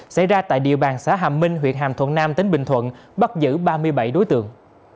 xảy ra tại địa bàn xã hàm minh huyện hàm thuận nam tỉnh bình thuận bắt giữ ba mươi bảy đối tượng